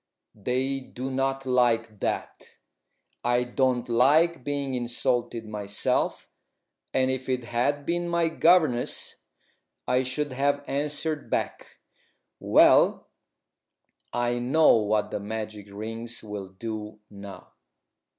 They do not like that. I don't like being insulted myself, and if it had been my governess I should have answered back. Well, I know what the magic rings will do now."